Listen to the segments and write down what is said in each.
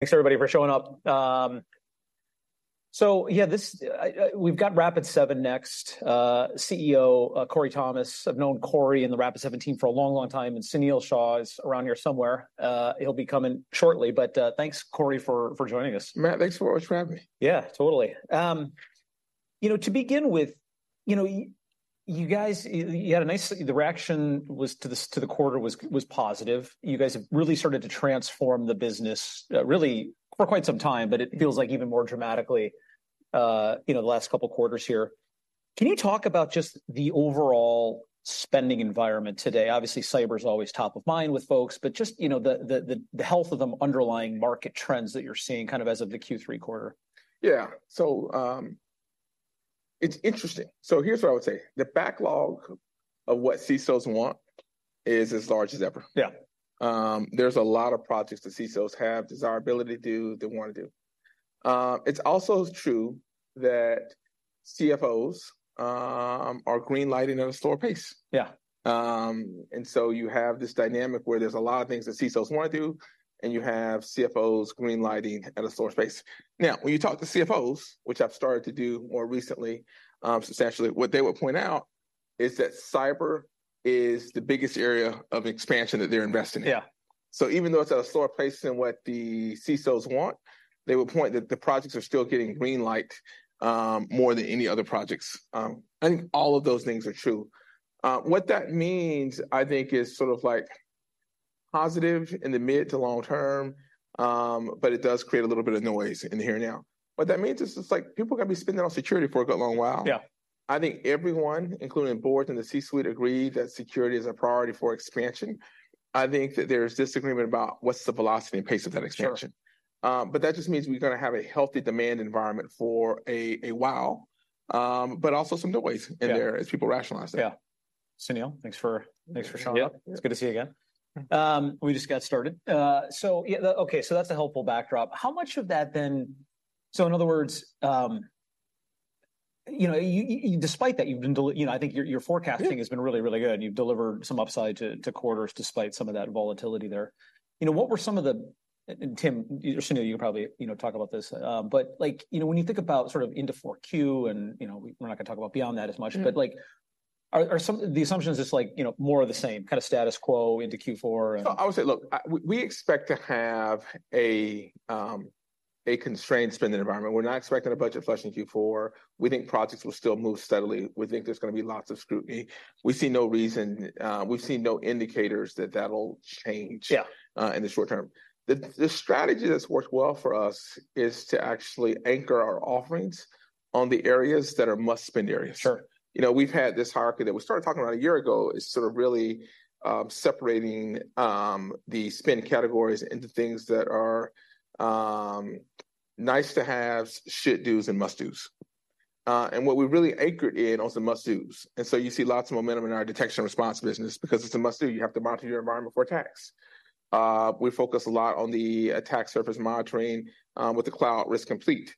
Thanks, everybody, for showing up. So yeah, we've got Rapid7 next, CEO Corey Thomas. I've known Corey and the Rapid7 team for a long, long time, and Sunil Shah is around here somewhere. He'll be coming shortly, but thanks, Corey, for joining us. Matt, thanks for having me. Yeah, totally. You know, to begin with, you know, you guys, the reaction was to the quarter was positive. You guys have really started to transform the business, really for quite some time, but it feels like even more dramatically, you know, the last couple of quarters here. Can you talk about just the overall spending environment today? Obviously, cyber is always top of mind with folks, but just, you know, the health of the underlying market trends that you're seeing kind of as of the Q3 quarter. Yeah. So, it's interesting. So here's what I would say. The backlog of what CISOs want is as large as ever. Yeah. There's a lot of projects the CISOs have desirability to do, they wanna do. It's also true that CFOs are green-lighting at a slower pace. Yeah. You have this dynamic where there's a lot of things that CISOs wanna do, and you have CFOs green-lighting at a slower pace. Now, when you talk to CFOs, which I've started to do more recently, substantially, what they would point out is that cyber is the biggest area of expansion that they're investing in. Yeah. So even though it's at a slower pace than what the CISOs want, they would point that the projects are still getting green light, more than any other projects. I think all of those things are true. What that means, I think, is sort of like positive in the mid- to long-term, but it does create a little bit of noise in the here and now. What that means is, it's like people are gonna be spending on security for a good long while. Yeah. I think everyone, including boards and the C-suite, agree that security is a priority for expansion. I think that there's disagreement about what's the velocity and pace of that expansion. Sure. But that just means we're gonna have a healthy demand environment for a while, but also some noise- Yeah... in there as people rationalize it. Yeah. Sunil, thanks for, thanks for showing up. Yeah. It's good to see you again. We just got started. Okay, so that's a helpful backdrop. How much of that then... So in other words, you know, despite that, you've been delivering, you know, I think your, your forecasting- Yeah... has been really, really good, and you've delivered some upside to quarters, despite some of that volatility there. You know, what were some of the, Tim, or Sunil, you can probably, you know, talk about this. But, like, you know, when you think about sort of into Q4, and, you know, we're not gonna talk about beyond that as much. Mm. But, like, are the assumptions just like, you know, more of the same, kind of status quo into Q4 and- So I would say, look, we expect to have a constrained spending environment. We're not expecting a budget flush in Q4. We think projects will still move steadily. We think there's gonna be lots of scrutiny. We see no reason, we've seen no indicators that that'll change- Yeah in the short term. The strategy that's worked well for us is to actually anchor our offerings on the areas that are must-spend areas. Sure. You know, we've had this hierarchy that we started talking about a year ago. It's sort of really separating the spend categories into things that are nice to haves, should dos, and must dos. And what we've really anchored in on some must dos, and so you see lots of momentum in our detection and response business because it's a must do. You have to monitor your environment for attacks. We focus a lot on the attack surface monitoring with the Cloud Risk Complete.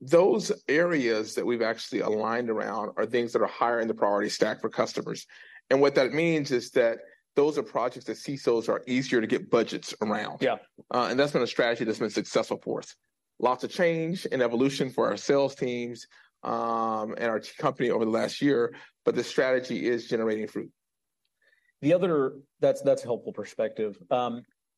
Those areas that we've actually aligned around are things that are higher in the priority stack for customers. And what that means is that those are projects that CISOs are easier to get budgets around. Yeah. That's been a strategy that's been successful for us. Lots of change and evolution for our sales teams, and our company over the last year, but the strategy is generating fruit. That's, that's helpful perspective.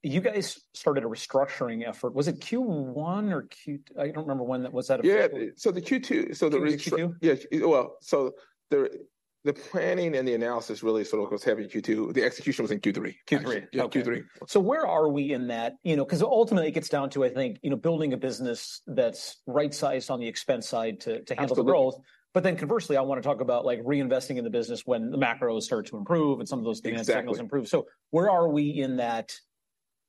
You guys started a restructuring effort. Was it Q1 or Q...? I don't remember when that was. Yeah. So the Q2, so the restruc- Q2? Yeah. Well, so the planning and the analysis really sort of goes heavy in Q2. The execution was in Q3. Q3. Yeah, Q3. So where are we in that? You know, 'cause ultimately, it gets down to, I think, you know, building a business that's right-sized on the expense side to- Absolutely... to handle the growth. But then conversely, I wanna talk about, like, reinvesting in the business when the macros start to improve and some of those things- Exactly... things improve. So where are we in that,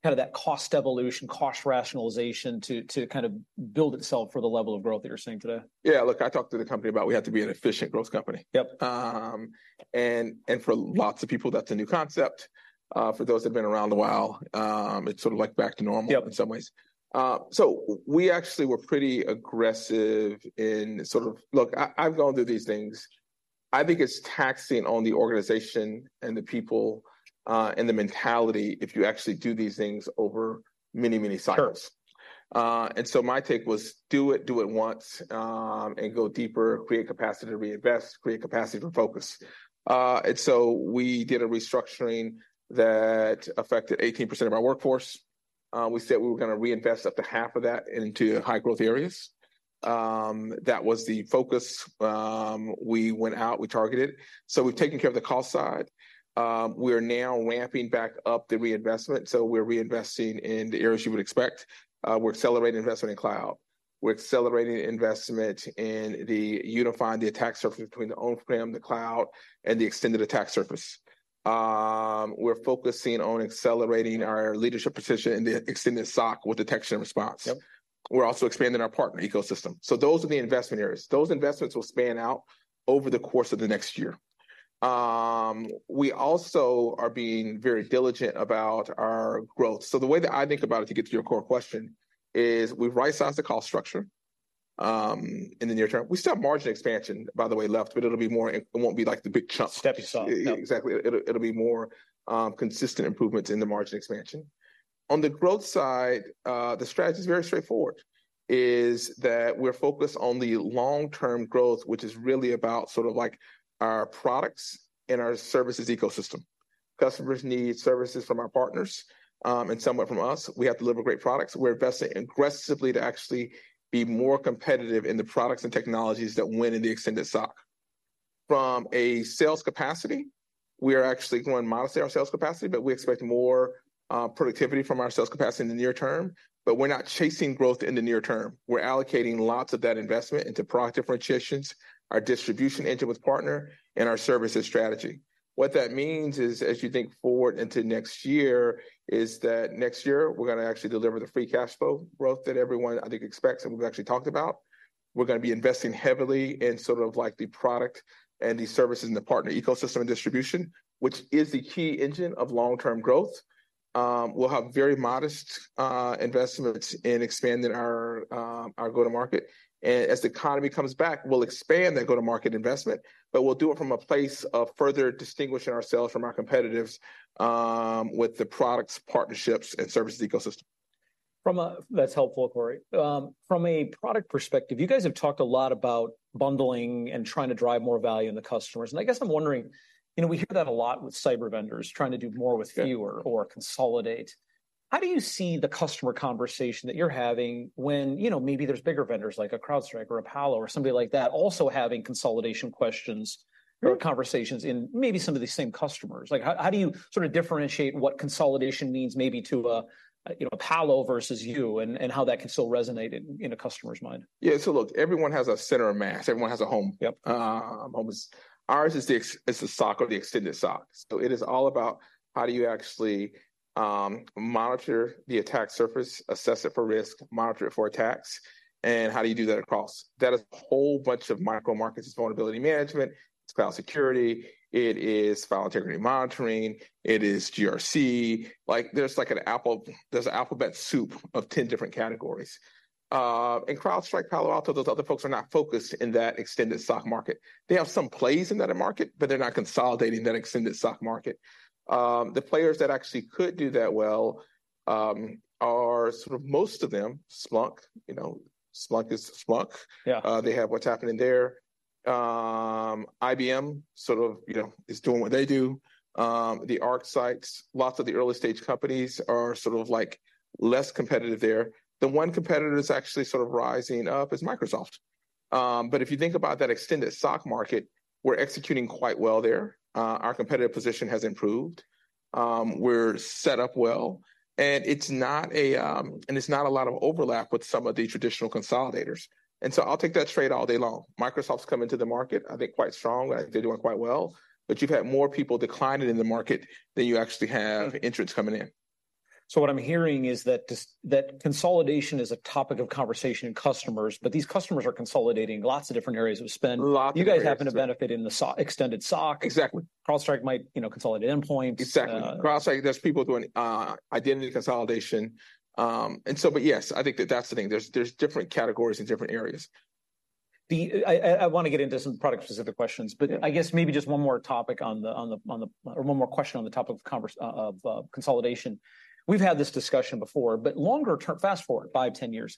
kind of that cost evolution, cost rationalization to, to kind of build itself for the level of growth that you're seeing today? Yeah, look, I talked to the company about we had to be an efficient growth company. Yep. For lots of people, that's a new concept. For those that have been around a while, it's sort of like back to normal- Yep... in some ways. So we actually were pretty aggressive in sort of... Look, I, I've gone through these things. I think it's taxing on the organization and the people, and the mentality if you actually do these things over many, many cycles. Sure. And so my take was, do it, do it once, and go deeper, create capacity to reinvest, create capacity for focus. And so we did a restructuring that affected 18% of our workforce. We said we were gonna reinvest up to half of that into high-growth areas. That was the focus. We went out, we targeted. So we've taken care of the cost side. We are now ramping back up the reinvestment, so we're reinvesting in the areas you would expect. We're accelerating investment in cloud. We're accelerating investment in the unifying the attack surface between the on-prem, the cloud, and the extended attack surface. We're focusing on accelerating our leadership position in the extended SOC with detection and response. Yep. We're also expanding our partner ecosystem. So those are the investment areas. Those investments will span out over the course of the next year. We also are being very diligent about our growth. So the way that I think about it, to get to your core question, is we've right-sized the cost structure in the near term. We still have margin expansion, by the way, left, but it'll be more, it won't be like the big chunk. Stepping stone. Exactly. It'll be more consistent improvements in the margin expansion. On the growth side, the strategy's very straightforward, is that we're focused on the long-term growth, which is really about sort of like our products and our services ecosystem. Customers need services from our partners, and some want from us. We have to deliver great products. We're investing aggressively to actually be more competitive in the products and technologies that win in the extended SOC. From a sales capacity, we are actually going to modestly our sales capacity, but we expect more productivity from our sales capacity in the near term, but we're not chasing growth in the near term. We're allocating lots of that investment into product differentiations, our distribution into with partner, and our services strategy. What that means is, as you think forward into next year, is that next year we're gonna actually deliver the free cash flow growth that everyone, I think, expects and we've actually talked about. We're gonna be investing heavily in sort of like the product and the services and the partner ecosystem and distribution, which is the key engine of long-term growth. We'll have very modest investments in expanding our our go-to-market. And as the economy comes back, we'll expand that go-to-market investment, but we'll do it from a place of further distinguishing ourselves from our competitors with the products, partnerships, and services ecosystem. That's helpful, Corey. From a product perspective, you guys have talked a lot about bundling and trying to drive more value in the customers, and I guess I'm wondering, you know, we hear that a lot with cyber vendors trying to do more with fewer- Yeah... or consolidate. How do you see the customer conversation that you're having when, you know, maybe there's bigger vendors like a CrowdStrike or a Palo or somebody like that, also having consolidation questions or conversations in maybe some of these same customers? Like, how, how do you sort of differentiate what consolidation means maybe to a, you know, a Palo versus you, and, and how that can still resonate in, in a customer's mind? Yeah. So look, everyone has a center of mass. Everyone has a home. Yep. Our home is the extended SOC. So it is all about how do you actually monitor the attack surface, assess it for risk, monitor it for attacks, and how do you do that across? That is a whole bunch of micro markets. It's vulnerability management, it's cloud security, it is file integrity monitoring, it is GRC. Like, there's an alphabet soup of 10 different categories. And CrowdStrike, Palo Alto, those other folks are not focused in that extended SOC market. They have some plays in that market, but they're not consolidating that extended SOC market. The players that actually could do that well are sort of most of them, Splunk. You know, Splunk is Splunk. Yeah. They have what's happening there. IBM sort of, you know, is doing what they do. The ArcSight, lots of the early-stage companies are sort of like less competitive there. The one competitor that's actually sort of rising up is Microsoft. But if you think about that extended SOC market, we're executing quite well there. Our competitive position has improved. We're set up well, and it's not a lot of overlap with some of the traditional consolidators, and so I'll take that trade all day long. Microsoft's come into the market, I think, quite strong. I think they're doing quite well, but you've had more people decline it in the market than you actually have- Okay... entrants coming in. So what I'm hearing is that this, that consolidation is a topic of conversation in customers, but these customers are consolidating lots of different areas of spend. Lots of areas. You guys happen to benefit in the SOC, extended SOC. Exactly. CrowdStrike might, you know, consolidate endpoints. Exactly. Uh- CrowdStrike, there's people doing identity consolidation. And so but, yes, I think that that's the thing. There's different categories and different areas. I wanna get into some product-specific questions- Yeah... but I guess maybe just one more topic on the, or one more question on the topic of consolidation. We've had this discussion before, but longer term, fast-forward five, 10 years,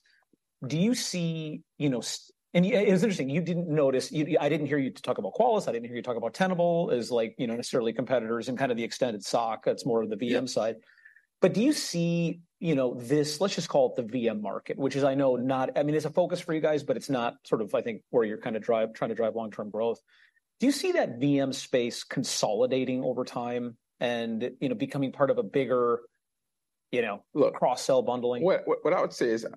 do you see, you know, it's interesting, you didn't notice... I didn't hear you talk about Qualys, I didn't hear you talk about Tenable as like, you know, necessarily competitors in kind of the extended SOC. That's more of the VM side. Yep. But do you see, you know, this, let's just call it the VM market, which is I know not... I mean, it's a focus for you guys, but it's not sort of, I think, where you're kind of trying to drive long-term growth. Do you see that VM space consolidating over time and, you know, becoming part of a bigger, you know- Look-... cross-sell bundling? What I would say is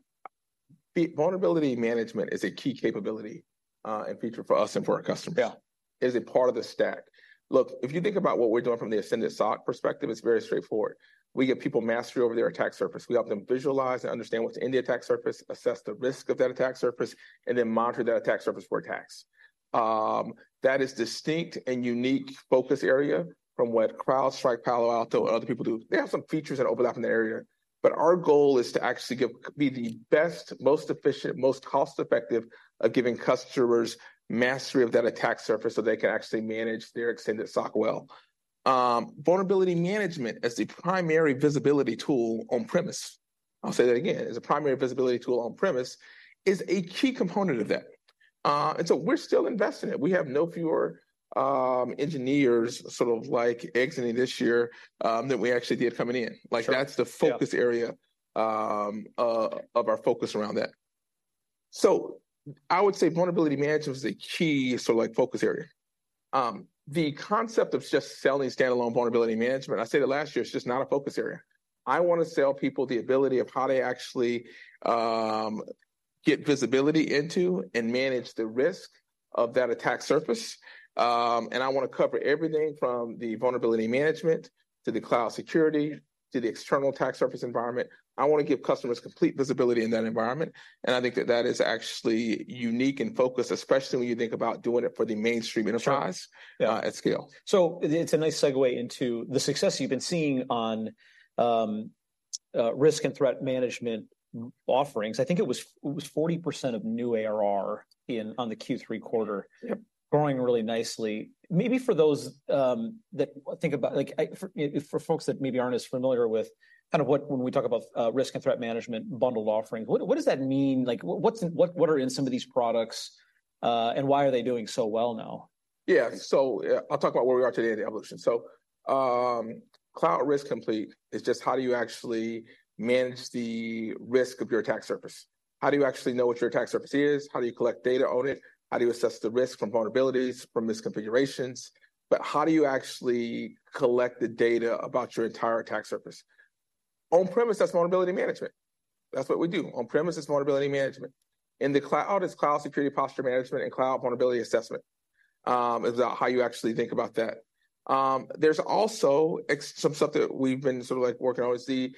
vulnerability management is a key capability, and feature for us and for our customers- Yeah... is a part of the stack. Look, if you think about what we're doing from the extended SOC perspective, it's very straightforward. We give people mastery over their attack surface. We help them visualize and understand what's in the attack surface, assess the risk of that attack surface, and then monitor that attack surface for attacks. That is distinct and unique focus area from what CrowdStrike, Palo Alto, and other people do. They have some features that overlap in the area, but our goal is to actually give- be the best, most efficient, most cost-effective at giving customers mastery of that attack surface so they can actually manage their extended SOC well. Vulnerability management as the primary visibility tool on premise, I'll say that again, as a primary visibility tool on premise, is a key component of that. And so we're still investing in it. We have no fewer, engineers sort of like exiting this year, than we actually did coming in. Sure. Like, that's the focus- Yeah... area, of our focus around that. So I would say vulnerability management is a key sort of like focus area. The concept of just selling standalone vulnerability management, I said it last year, it's just not a focus area. I wanna sell people the ability of how to actually get visibility into and manage the risk of that attack surface. And I wanna cover everything from the vulnerability management to the cloud security, to the external attack surface environment. I wanna give customers complete visibility in that environment, and I think that that is actually unique and focused, especially when you think about doing it for the mainstream enterprise- Sure... at scale. So it's a nice segue into the success you've been seeing on risk and threat management offerings. I think it was, it was 40% of new ARR in on the Q3 quarter. Yep. Growing really nicely. Maybe for those that, well, think about, like, for folks that maybe aren't as familiar with kind of what when we talk about risk and threat management bundled offerings, what does that mean? Like, what's in, what are in some of these products, and why are they doing so well now? Yeah. So, I'll talk about where we are today in the evolution. Cloud Risk Complete is just how do you actually manage the risk of your attack surface? How do you actually know what your attack surface is? How do you collect data on it? How do you assess the risk from vulnerabilities, from misconfigurations? But how do you actually collect the data about your entire attack surface? On-premises, that's vulnerability management. That's what we do. On-premises is vulnerability management. In the cloud, it's cloud security posture management and cloud vulnerability assessment is how you actually think about that. There's also some stuff that we've been sort of, like, working on is the.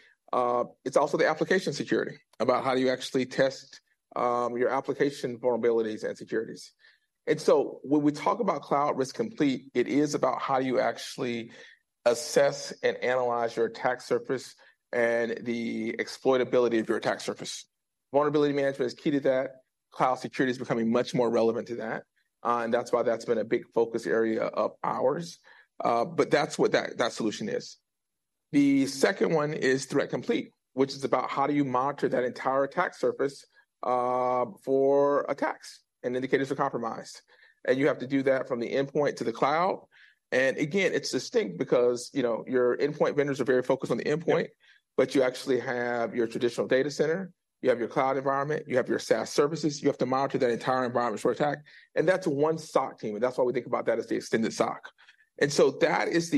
It's also the application security, about how do you actually test your application vulnerabilities and securities? When we talk about Cloud Risk Complete, it is about how you actually assess and analyze your attack surface and the exploitability of your attack surface. Vulnerability management is key to that. Cloud security is becoming much more relevant to that, and that's why that's been a big focus area of ours. But that's what that solution is. The second one is Threat Complete, which is about how do you monitor that entire attack surface for attacks and indicators of compromise. You have to do that from the endpoint to the cloud. Again, it's distinct because, you know, your endpoint vendors are very focused on the endpoint. Yeah. But you actually have your traditional data center, you have your cloud environment, you have your SaaS services. You have to monitor that entire environment for attack, and that's one SOC team, and that's why we think about that as the extended SOC. And so that is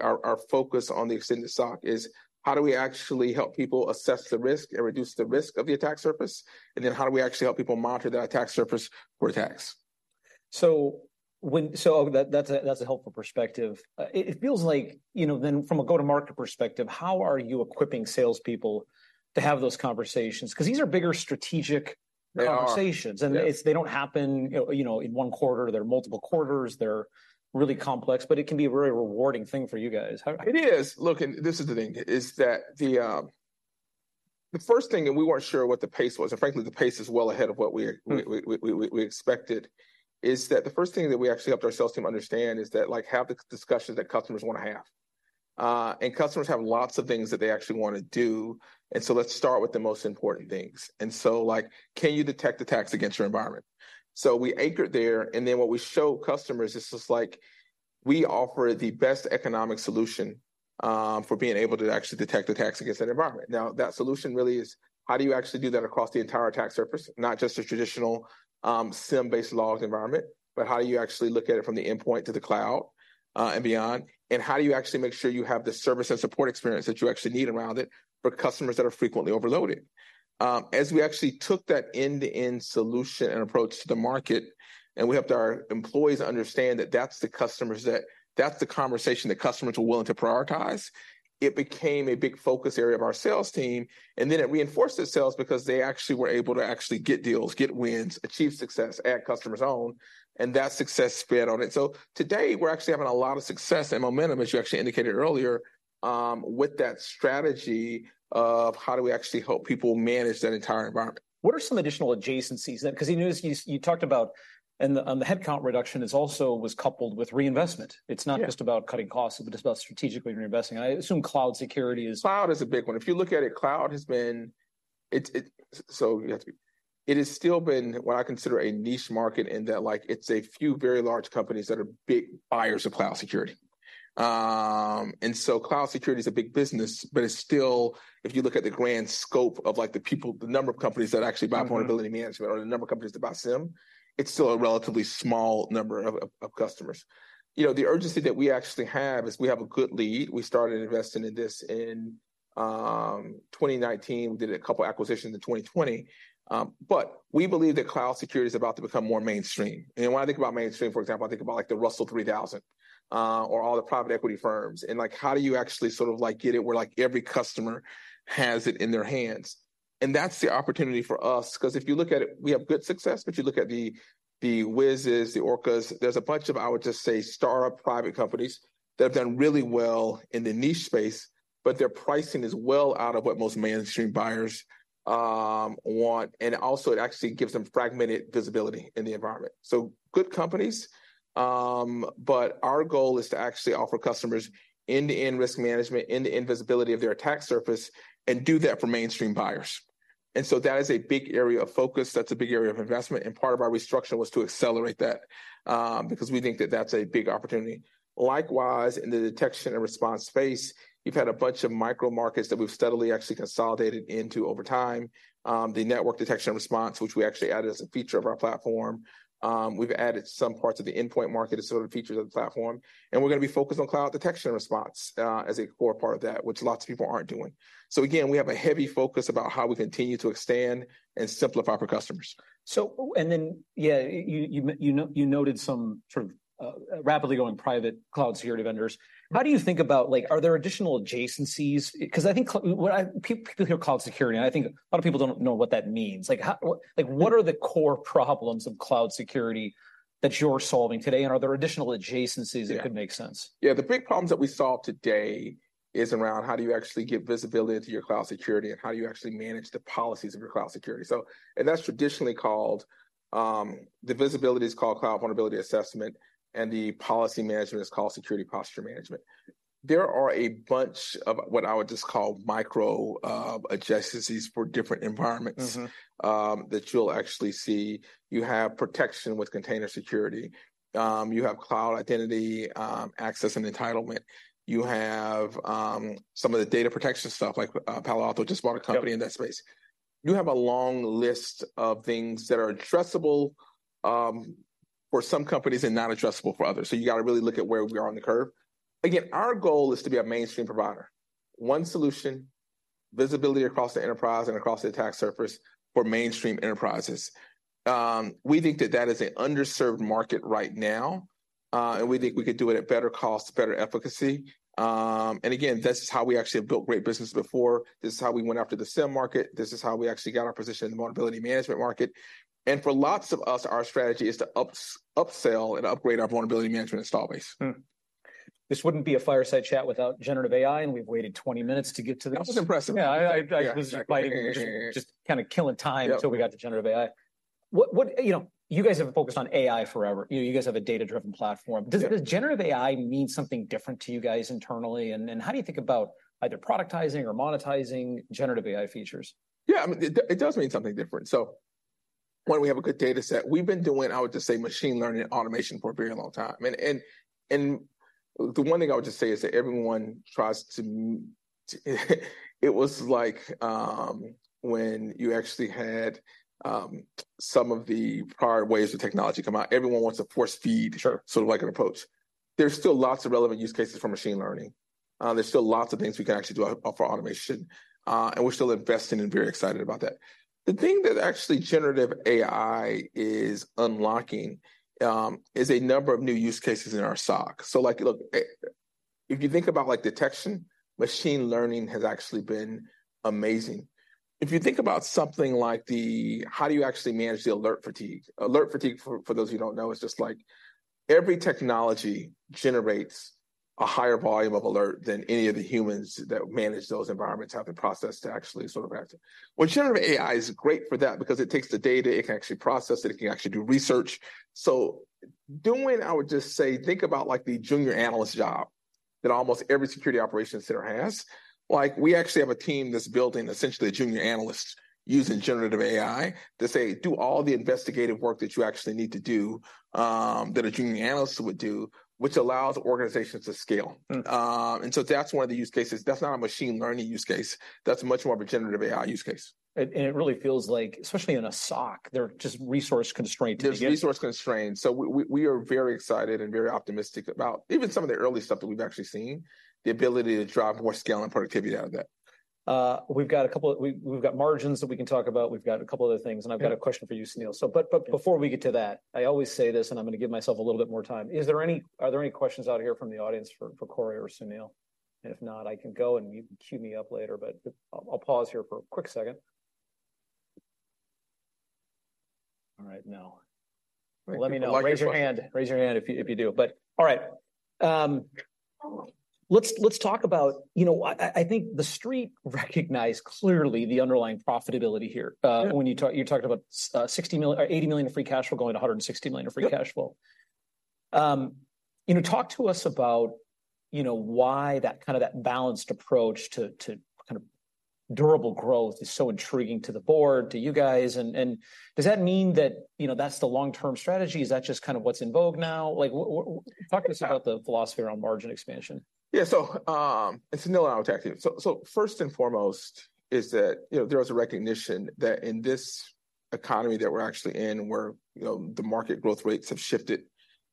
our focus on the extended SOC, is how do we actually help people assess the risk and reduce the risk of the attack surface? And then how do we actually help people monitor that attack surface for attacks? So that's a helpful perspective. It feels like, you know, then from a go-to-market perspective, how are you equipping salespeople to have those conversations? 'Cause these are bigger strategic- They are... conversations. Yeah. And it's, they don't happen, you know, in one quarter. They're multiple quarters. They're really complex, but it can be a very rewarding thing for you guys. How- It is. Look, and this is the thing, is that the first thing, and we weren't sure what the pace was, and frankly, the pace is well ahead of what we- Mm... we expected is that the first thing that we actually helped our sales team understand is that, like, have the discussions that customers wanna have. And customers have lots of things that they actually wanna do, and so let's start with the most important things. And so, like, "Can you detect attacks against your environment?" So we anchor there, and then what we show customers is just, like, we offer the best economic solution for being able to actually detect attacks against that environment. Now, that solution really is, how do you actually do that across the entire attack surface, not just a traditional SIEM-based logs environment, but how do you actually look at it from the endpoint to the cloud, and beyond? And how do you actually make sure you have the service and support experience that you actually need around it for customers that are frequently overloaded? As we actually took that end-to-end solution and approach to the market, and we helped our employees understand that that's the customers that- that's the conversation that customers were willing to prioritize, it became a big focus area of our sales team. And then it reinforced the sales because they actually were able to actually get deals, get wins, achieve success at customers' own, and that success fed on it. So today, we're actually having a lot of success and momentum, as you actually indicated earlier, with that strategy of how do we actually help people manage that entire environment. What are some additional adjacencies then? 'Cause you noticed you talked about... The headcount reduction is also was coupled with reinvestment. Yeah. It's not just about cutting costs, but it's about strategically reinvesting. I assume cloud security is- Cloud is a big one. If you look at it, cloud has been. It has still been what I consider a niche market in that, like, it's a few very large companies that are big buyers of cloud security. And so cloud security is a big business, but it's still, if you look at the grand scope of, like, the people, the number of companies that actually buy- Mm-hmm... vulnerability management or the number of companies that buy SIEM, it's still a relatively small number of customers. You know, the urgency that we actually have is we have a good lead. We started investing in this in 2019. We did a couple acquisitions in 2020. But we believe that cloud security is about to become more mainstream. And when I think about mainstream, for example, I think about, like, the Russell 3000, or all the private equity firms, and, like, how do you actually sort of, like, get it where, like, every customer has it in their hands? And that's the opportunity for us. 'Cause if you look at it, we have good success. But if you look at the Wiz, the Orca, there's a bunch of, I would just say, startup private companies that have done really well in the niche space, but their pricing is well out of what most mainstream buyers want, and also it actually gives them fragmented visibility in the environment. So good companies, but our goal is to actually offer customers end-to-end risk management, end-to-end visibility of their attack surface, and do that for mainstream buyers. And so that is a big area of focus, that's a big area of investment, and part of our restructure was to accelerate that, because we think that that's a big opportunity. Likewise, in the detection and response space, you've had a bunch of micro markets that we've steadily actually consolidated into over time. The network detection and response, which we actually added as a feature of our platform. We've added some parts of the endpoint market as sort of features of the platform. We're gonna be focused on cloud detection and response, as a core part of that, which lots of people aren't doing. Again, we have a heavy focus about how we continue to expand and simplify for customers. So and then, yeah, you know, you noted some sort of apidly growing private cloud security vendors. Mm-hmm. How do you think about, like... Are there additional adjacencies? Because I think what people hear cloud security, and I think a lot of people don't know what that means. Like, how, what- Mm... Like, what are the core problems of cloud security that you're solving today, and are there additional adjacencies- Yeah... that could make sense? Yeah, the big problems that we solve today is around how do you actually get visibility into your cloud security, and how do you actually manage the policies of your cloud security? So and that's traditionally called, the visibility is called cloud vulnerability assessment, and the policy management is called security posture management. There are a bunch of what I would just call micro, adjacencies for different environments- Mm-hmm... that you'll actually see. You have protection with container security. You have cloud identity, access, and entitlement. You have some of the data protection stuff, like, Palo Alto just bought a company- Yep... in that space. You have a long list of things that are addressable for some companies and not addressable for others. So you gotta really look at where we are on the curve. Again, our goal is to be a mainstream provider. One solution, visibility across the enterprise and across the attack surface for mainstream enterprises. We think that that is an underserved market right now, and we think we could do it at better cost, better efficacy. And again, this is how we actually have built great business before. This is how we went after the SIEM market. This is how we actually got our position in the vulnerability management market. And for lots of us, our strategy is to upsell and upgrade our vulnerability management install base. This wouldn't be a Fireside Chat without generative AI, and we've waited 20 minutes to get to this. That was impressive. Yeah, I was- Yeah. just kind of killing time Yep... until we got to generative AI. What... You know, you guys have focused on AI forever. You guys have a data-driven platform. Yeah. Does generative AI mean something different to you guys internally? And how do you think about either productizing or monetizing generative AI features? Yeah, I mean, it does mean something different. So one, we have a good data set. We've been doing, I would just say, machine learning and automation for a very long time. And the one thing I would just say is that everyone tries to, it was like, when you actually had some of the prior waves of technology come out. Everyone wants to force-feed- Sure... sort of like an approach. There's still lots of relevant use cases for machine learning. There's still lots of things we can actually do for automation, and we're still investing and very excited about that. The thing that actually generative AI is unlocking is a number of new use cases in our SOC. So, like, look, if you think about, like, detection, machine learning has actually been amazing. If you think about something like how do you actually manage the alert fatigue? Alert fatigue, for those who don't know, is just like, every technology generates a higher volume of alert than any of the humans that manage those environments have the process to actually sort of act. Well, generative AI is great for that because it takes the data, it can actually process it, it can actually do research. So doing, I would just say, think about, like, the junior analyst job that almost every security operations center has. Like, we actually have a team that's building essentially a junior analyst using generative AI to say, "Do all the investigative work that you actually need to do, that a junior analyst would do," which allows organizations to scale. Hmm. And so that's one of the use cases. That's not a machine learning use case. That's much more of a generative AI use case. It really feels like, especially in a SOC, they're just resource constrained to begin- There's resource constraints. So we are very excited and very optimistic about even some of the early stuff that we've actually seen, the ability to drive more scale and productivity out of that. We've got margins that we can talk about. We've got a couple other things. Yeah. I've got a question for you, Sunil. But before we get to that, I always say this, and I'm gonna give myself a little bit more time. Are there any questions out here from the audience for Corey or Sunil? If not, I can go, and you can queue me up later, but I'll pause here for a quick second. All right. No. Well, I guess- Let me know. Raise your hand. Raise your hand if you do. But all right, let's talk about... You know, I think the street recognized clearly the underlying profitability here. Yeah. When you talked, you talked about $60 million or $80 million of free cash flow going to $160 million of free cash flow. Yep. You know, talk to us about, you know, why that kind of that balanced approach to, to kind of durable growth is so intriguing to the board, to you guys, and, and does that mean that, you know, that's the long-term strategy? Is that just kind of what's in vogue now? Like, what, talk to us about the philosophy around margin expansion. Yeah, so and Sunil and I will talk to you. So first and foremost is that, you know, there was a recognition that in this economy that we're actually in, where, you know, the market growth rates have shifted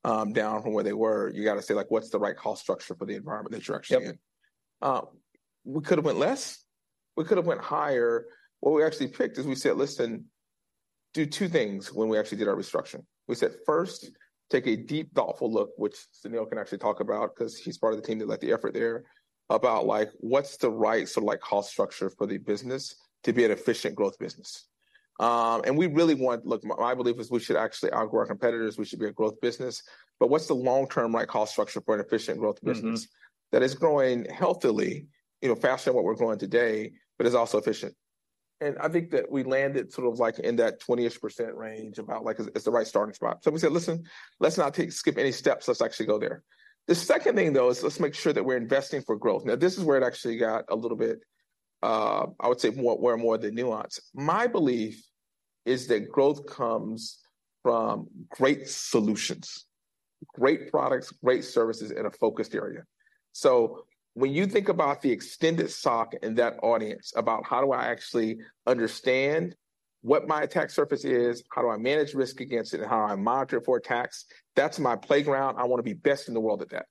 down from where they were, you gotta say, like, what's the right cost structure for the environment that you're actually in? Yep. We could've went less. We could've went higher. What we actually picked is we said, "Listen," do two things when we actually did our restructure. We said, "First, take a deep, thoughtful look," which Sunil can actually talk about 'cause he's part of the team that led the effort there, about, like, what's the right sort of, like, cost structure for the business to be an efficient growth business? And we really want... Look, my belief is we should actually outgrow our competitors. We should be a growth business, but what's the long-term right cost structure for an efficient growth business- Mm-hmm... that is growing healthily, you know, faster than what we're growing today, but is also efficient? And I think that we landed sort of, like, in that 20-ish% range, about, like, it's, it's the right starting spot. So we said, "Listen, let's not take, skip any steps. Let's actually go there." The second thing, though, is let's make sure that we're investing for growth. Now, this is where it actually got a little bit, I would say, more, where more the nuance. My belief is that growth comes from great solutions, great products, great services in a focused area. So when you think about the Extended SOC and that audience, about how do I actually understand what my attack surface is, how do I manage risk against it, and how I monitor it for attacks, that's my playground. I wanna be best in the world at that.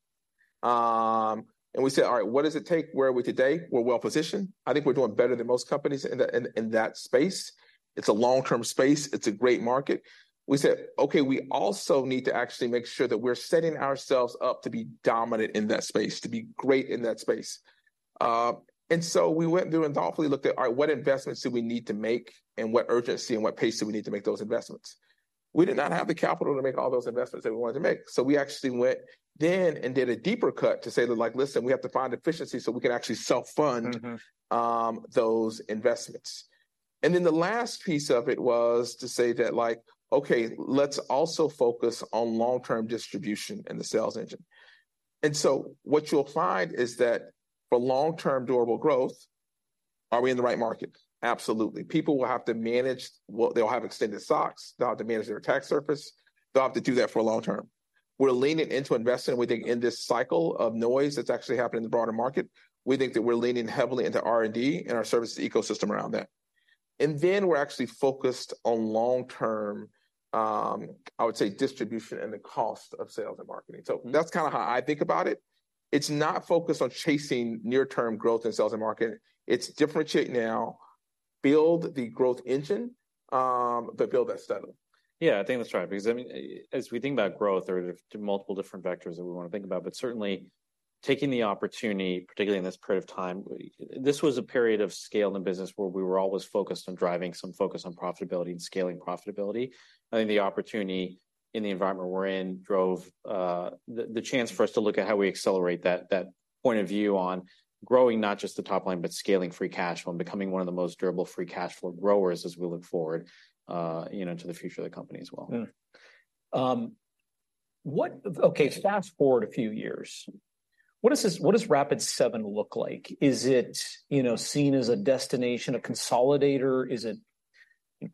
and we said: All right, what does it take? Where are we today? We're well-positioned. I think we're doing better than most companies in that, in, in that space. It's a long-term space. It's a great market. We said, "Okay, we also need to actually make sure that we're setting ourselves up to be dominant in that space, to be great in that space." and so we went through and thoughtfully looked at, all right, what investments do we need to make, and what urgency and what pace do we need to make those investments? We did not have the capital to make all those investments that we wanted to make, so we actually went then and did a deeper cut to say that, like, "Listen, we have to find efficiency so we can actually self-fund- Mm-hmm... those investments." And then the last piece of it was to say that, like, "Okay, let's also focus on long-term distribution and the sales engine." And so what you'll find is that for long-term durable growth, are we in the right market? Absolutely. People will have to manage. They'll have Extended SOCs. They'll have to manage their attack surface. They'll have to do that for long term.... We're leaning into investing, and we think in this cycle of noise that's actually happening in the broader market, we think that we're leaning heavily into R&D and our services ecosystem around that. And then we're actually focused on long-term, I would say, distribution and the cost of sales and marketing. So that's kind of how I think about it. It's not focused on chasing near-term growth in sales and marketing. It's differentiate now, build the growth engine, but build that steadily. Yeah, I think that's right. Because, I mean, as we think about growth or the multiple different vectors that we wanna think about, but certainly taking the opportunity, particularly in this period of time, this was a period of scale in the business where we were always focused on driving some focus on profitability and scaling profitability. I think the opportunity in the environment we're in drove the chance for us to look at how we accelerate that point of view on growing not just the top line, but scaling free cash flow and becoming one of the most durable free cash flow growers as we look forward, you know, to the future of the company as well. Mm. Okay, fast-forward a few years, what does Rapid7 look like? Is it, you know, seen as a destination, a consolidator? Is it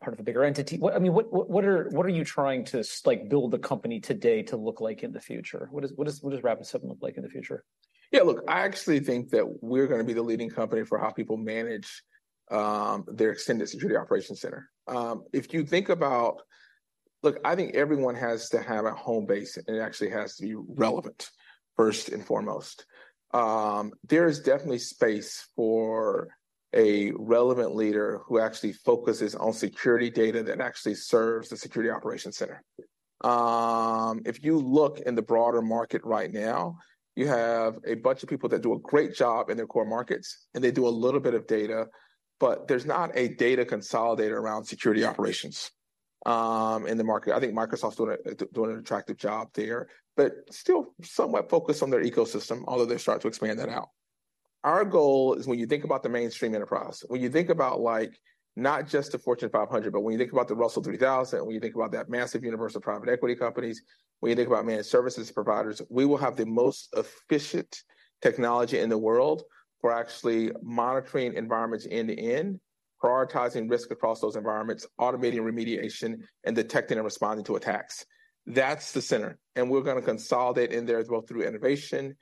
part of a bigger entity? I mean, what are you trying to like build the company today to look like in the future? What does Rapid7 look like in the future? Yeah, look, I actually think that we're gonna be the leading company for how people manage their extended security operations center. If you think about... Look, I think everyone has to have a home base, and it actually has to be relevant first and foremost. There is definitely space for a relevant leader who actually focuses on security data that actually serves the security operations center. If you look in the broader market right now, you have a bunch of people that do a great job in their core markets, and they do a little bit of data, but there's not a data consolidator around security operations in the market. I think Microsoft's doing an attractive job there, but still somewhat focused on their ecosystem, although they're starting to expand that out. Our goal is when you think about the mainstream enterprise, when you think about, like, not just the Fortune 500, but when you think about the Russell 3000, when you think about that massive universe of private equity companies, when you think about managed services providers, we will have the most efficient technology in the world for actually monitoring environments end to end, prioritizing risk across those environments, automating remediation, and detecting and responding to attacks. That's the center, and we're gonna consolidate in there as well through innovation,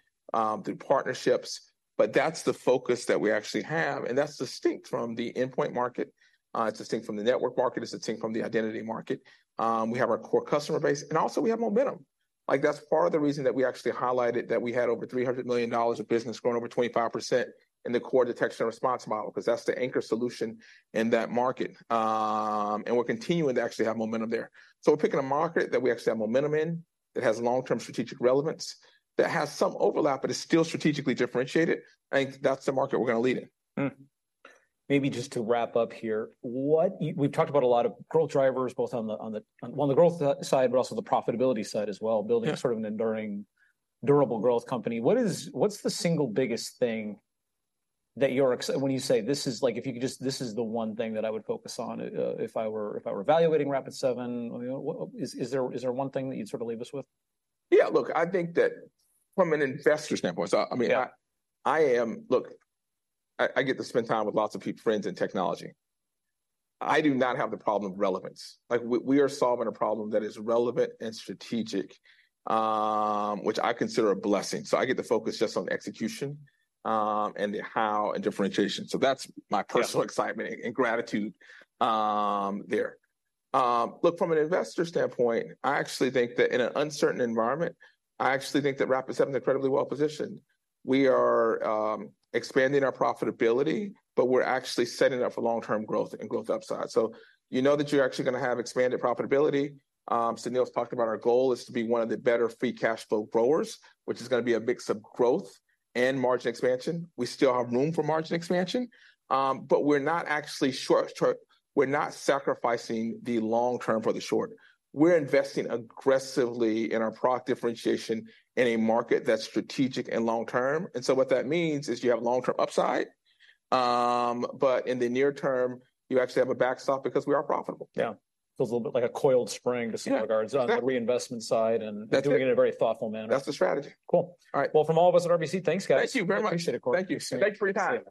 through partnerships, but that's the focus that we actually have, and that's distinct from the endpoint market, it's distinct from the network market, it's distinct from the identity market. We have our core customer base, and also we have momentum. Like, that's part of the reason that we actually highlighted that we had over $300 million of business growing over 25% in the core detection and response model, 'cause that's the anchor solution in that market. We're continuing to actually have momentum there. So we're picking a market that we actually have momentum in, that has long-term strategic relevance, that has some overlap, but is still strategically differentiated. I think that's the market we're gonna lead in. Maybe just to wrap up here, what we've talked about a lot of growth drivers, both on the growth side, but also the profitability side as well- Yeah... building sort of an enduring durable growth company. What's the single biggest thing that you're excited about when you say, "This is," like, if you could just, "This is the one thing that I would focus on if I were evaluating Rapid7," you know, what is there one thing that you'd sort of leave us with? Yeah, look, I think that from an investor standpoint, so I, I mean- Yeah... Look, I get to spend time with lots of friends in technology. I do not have the problem of relevance. Like, we are solving a problem that is relevant and strategic, which I consider a blessing. So I get to focus just on execution, and the how and differentiation. So that's my- Yeah... personal excitement and gratitude there. Look, from an investor standpoint, I actually think that in an uncertain environment, I actually think that Rapid7 is incredibly well-positioned. We are expanding our profitability, but we're actually setting up for long-term growth and growth upside. So you know that you're actually gonna have expanded profitability. Sunil's talked about our goal is to be one of the better free cash flow growers, which is gonna be a mix of growth and margin expansion. We still have room for margin expansion, but we're not actually short-term... We're not sacrificing the long term for the short. We're investing aggressively in our product differentiation in a market that's strategic and long term, and so what that means is you have long-term upside, but in the near term, you actually have a backstop because we are profitable. Yeah. Feels a little bit like a coiled spring- Yeah... to some regards- Exactly... on the reinvestment side, and- That's it... doing it in a very thoughtful manner. That's the strategy. Cool. All right. Well, from all of us at RBC, thanks, guys. Thank you very much. Appreciate it, Corey. Thank you, Sunil. Thanks. Thanks for your time.